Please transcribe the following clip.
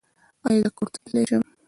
ایا زه کور ته تللی شم؟